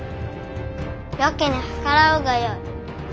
よきに計らうがよい。